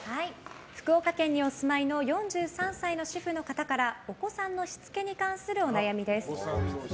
福岡県にお住いの４３歳の主婦の方からお子さんのしつけに関するお悩みです。